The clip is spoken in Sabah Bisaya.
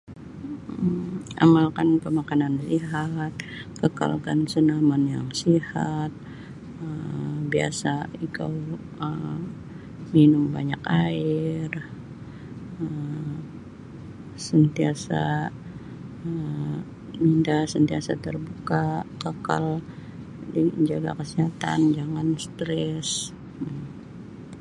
um amalkan pemakanan sihat, kekalkan senaman yang sihat um biasa ikau um minum banyak air um sentiasa um minda sentiasa terbuka kekal menjaga kesihatan jangan stres